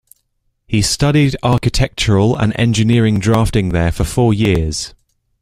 He studied architectural and engineering drafting there for four years.